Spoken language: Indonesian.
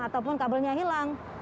ataupun kabelnya hilang